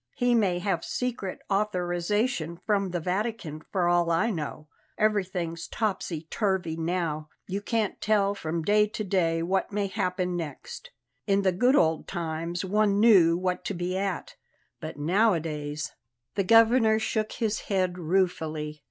He may have secret authorization from the Vatican, for all I know. Everything's topsy turvy now; you can't tell from day to day what may happen next. In the good old times one knew what to be at, but nowadays " The Governor shook his head ruefully.